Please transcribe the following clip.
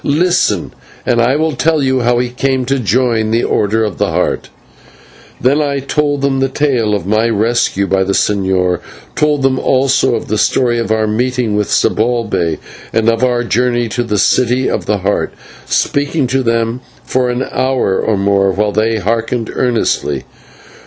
Listen, and I will tell you how he came to join the Order of the Heart" and I told them that tale of my rescue by the señor, and told them also all the story of our meeting with Zibalbay and of our journey to the City of the Heart, speaking to them for an hour or more while they hearkened earnestly.